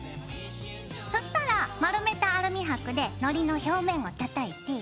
そしたら丸めたアルミはくでのりの表側をたたいて。